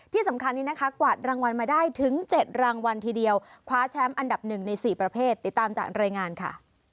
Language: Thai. ที่สำคัญนี้นะคะกวาดรางวัลมาได้ถึง๗รางวัลทีเดียวคว้าแชมป์อันดับหนึ่งใน๔ประเภทติดตามจากรายงานค่ะ